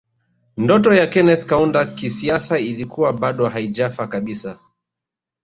Ndoto ya Kenneth Kaunda kisiasa ilikuwa bado haijafa kabisa